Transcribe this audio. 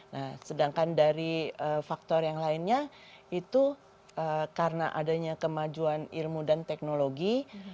nah sedangkan dari faktor yang lainnya itu karena adanya kemajuan ilmu dan teknologi